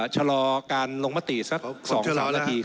ชะลอการลงมติสัก๒๓นาที